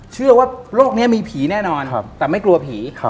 เชื่อว่าโลกนี้มีผีแน่นอนแต่ไม่กลัวผี